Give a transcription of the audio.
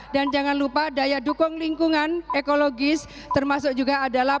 dan jangan lupa daya dukung lingkungan ekologis termasuk juga adalah